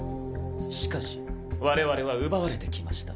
しかし我々は奪われてきました。